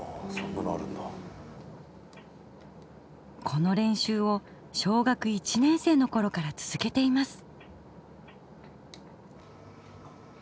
この練習を小学１年生のころから続けています。